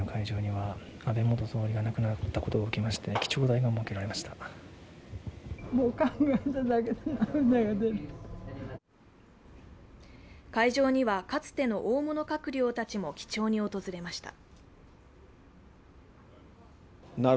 会場にはかつての大物閣僚らも記帳に訪れました。